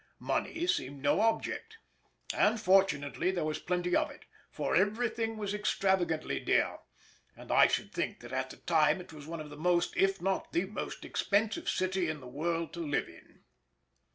Money seemed no object. And fortunately there was plenty, for everything was extravagantly dear, and I should think that at that time it was one of the most if not the most expensive city in the world to live in.